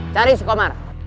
cari si komar